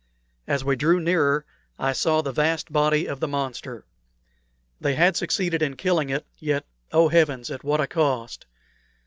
As we drew nearer I saw the vast body of the monster. They had succeeded in killing it, yet oh heavens, at what a cost!